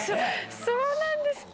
そうなんです。